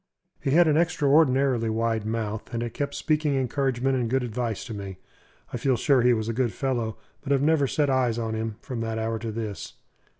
He had an extraordinarily wide mouth, and it kept speaking encouragement and good advice to me. I feel sure he was a good fellow, but have never set eyes on him from that hour to this.